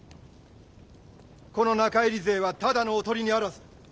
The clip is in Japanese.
この中入り勢はただのおとりにあらず。